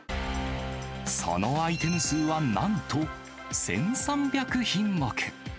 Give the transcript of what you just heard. そのアイテム数はなんと、１３００品目。